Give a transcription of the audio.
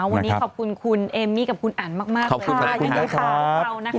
วันนี้ขอบคุณคุณเอมมี่กับคุณอันมากเลยยังได้ข้าวทุกคนนะครับ